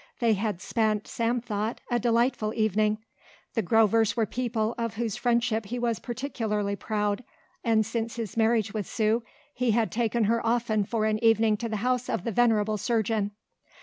They had spent, Sam thought, a delightful evening. The Grovers were people of whose friendship he was particularly proud and since his marriage with Sue he had taken her often for an evening to the house of the venerable surgeon.